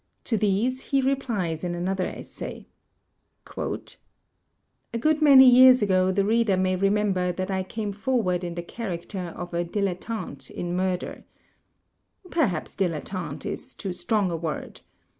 To these he replies in another essay: "A good many years ago, the reader may remember that I came forward in the character of a dilettante in murder. Per haps dikttante is too strong a word.